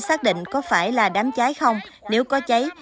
xác định có phải là đám cháy không nếu có cháy